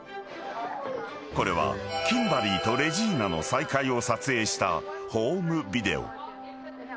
［これはキンバリーとレジーナの再会を撮影したホームビデオ］